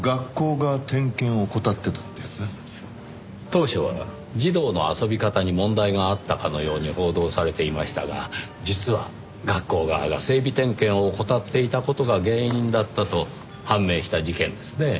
当初は児童の遊び方に問題があったかのように報道されていましたが実は学校側が整備点検を怠っていた事が原因だったと判明した事件ですねぇ。